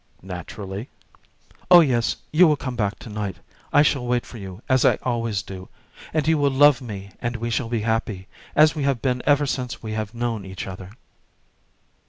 "Naturally." "Oh, yes, you will come back to night. I shall wait for you, as I always do, and you will love me, and we shall be happy, as we have been ever since we have known each other."